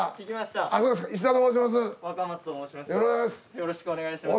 よろしくお願いします。